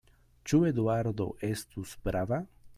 Ĉu Eduardo estus prava?